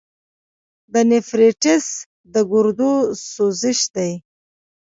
د نیفریټس د ګردو سوزش دی.